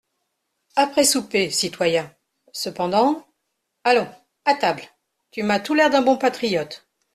Après souper, citoyen !… Cependant … Allons, à table ! Tu m'as tout l'air d'un bon patriote.